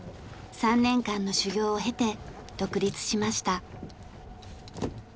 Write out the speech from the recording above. ３年間の修業を経て独立しました。